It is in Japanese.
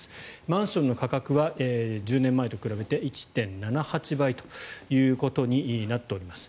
マンションの価格は１０年前と比べて１．７８倍ということになっています。